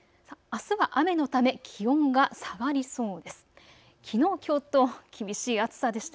あすは雨のため気温が下がりそうです。